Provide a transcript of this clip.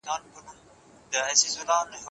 د چا شامت دی چي له مځکي مو باران پټوي